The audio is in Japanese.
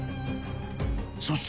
［そして］